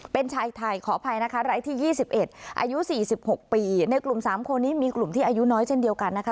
เป็นชายไทยขออภัยนะคะรายที่๒๑อายุ๔๖ปีในกลุ่ม๓คนนี้มีกลุ่มที่อายุน้อยเช่นเดียวกันนะคะ